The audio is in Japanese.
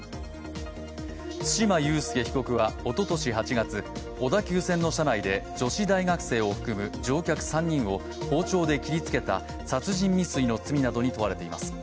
対馬悠介被告は、おととし８月小田急線の車内で女子大学生を含む乗客３人を包丁で切りつけた殺人未遂などの罪に問われています。